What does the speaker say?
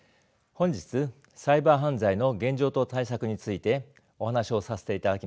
本日サイバー犯罪の現状と対策についてお話をさせていただきます